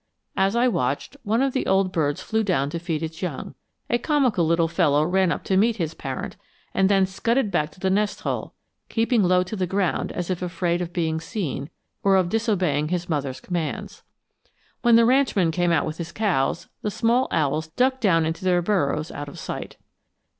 As I watched, one of the old birds flew down to feed its young. A comical little fellow ran up to meet his parent and then scudded back to the nest hole, keeping low to the ground as if afraid of being seen, or of disobeying his mother's commands. When the ranchman came with his cows the small owls ducked down into their burrows out of sight.